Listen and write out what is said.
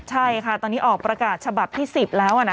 ใช่ค่ะตอนนี้ออกประกาศฉบับที่๑๐แล้วนะ